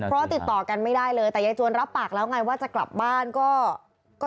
เพราะติดต่อกันไม่ได้เลยแต่ยายจวนรับปากแล้วไงว่าจะกลับบ้านก็